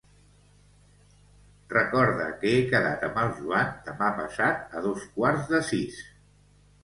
Recorda que he quedat amb el Joan demà passat a dos quarts de sis.